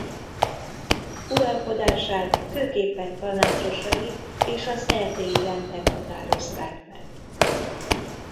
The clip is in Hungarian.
Uralkodását főképpen tanácsosai és az erdélyi rendek határozták meg.